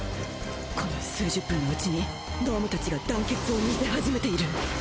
この数十分のうちに脳無達が団結を見せ始めている